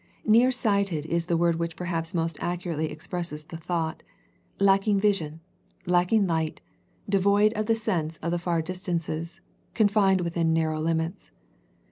Near sighted is the word which perhaps most accurately expresses the thought, lacking vision, lacking light, devoid of the sense of the far distances, confined within narrow limits.